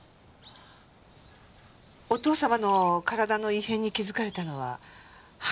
お父様の体の異変に気づかれたのは半年前ですね。